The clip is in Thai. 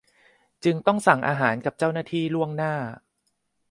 จึงต้องสั่งอาหารกับเจ้าหน้าที่ล่วงหน้า